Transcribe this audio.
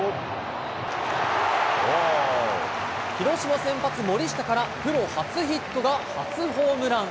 広島先発、森下からプロ初ヒットが初ホームラン。